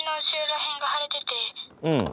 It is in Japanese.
うん。